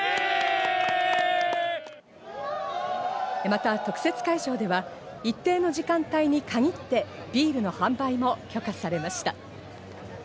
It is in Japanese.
また特設会場では一定の時間帯に限って、ビールの販売も許可されました。